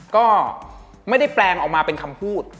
ก็ไม่ได้แปลงออกมาเป็นคำพูด